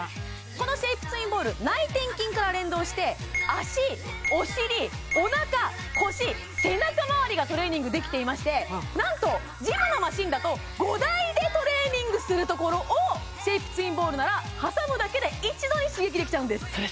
このシェイプツインボール内転筋から連動してがトレーニングできていまして何とジムのマシンだと５台でトレーニングするところをシェイプツインボールなら挟むだけで一度に刺激できちゃうんですそれ